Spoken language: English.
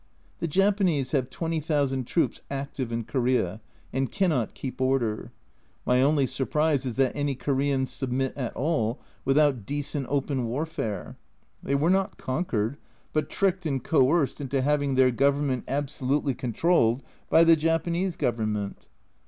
The Japanese have 20,000 troops active in Korea, and cannot keep order my only surprise is that any Koreans submit at all without decent open warfare ; they were not conquered, but tricked and coerced into having their Government absolutely controlled by the Japanese Government.